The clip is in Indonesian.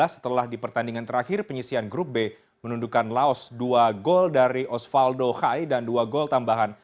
setelah di pertandingan terakhir penyisian grup b menundukan laos dua gol dari osvaldo hai dan dua gol tambahan